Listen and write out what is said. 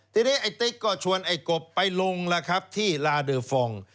ทีนี้ไอ้ติ๊กก็ชวนไอ้กบไปลงแล้วครับที่ลาเดอร์ฟอง